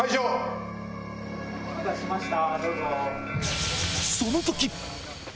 お待たせしました。